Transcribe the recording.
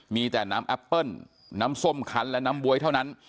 มีแต่น้ำแอปเปิ้ลน้ำส้มคันและน้ำบ๊วยเท่านั้น